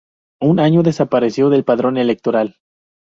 Un año desapareció del padrón electoral.